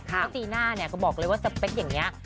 เพราะจีน่าเนี่ยก็บอกเลยว่าสเปคอย่างนี้